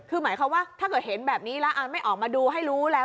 คือหมายความว่าถ้าเกิดเห็นแบบนี้แล้วไม่ออกมาดูให้รู้แล้ว